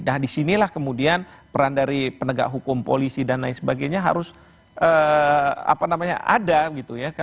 nah disinilah kemudian peran dari penegak hukum polisi dan lain sebagainya harus ada gitu ya